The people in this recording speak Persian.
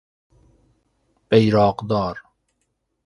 بیراقدار